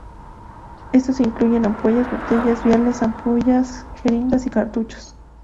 Estos incluyen ampollas, botellas, viales, ampollas, jeringas y cartuchos.